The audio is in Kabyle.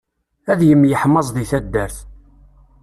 Ad yemyeḥmaẓ di taddart.